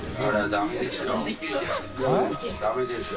ダメですよ。